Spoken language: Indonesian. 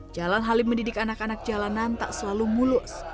jalan halim mendidik anak anak jalanan tak selalu mulus